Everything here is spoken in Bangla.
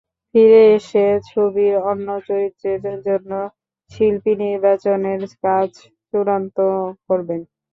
ফিরে এসে ছবির অন্য চরিত্রের জন্য শিল্পী নির্বাচনের কাজ চূড়ান্ত করবেন।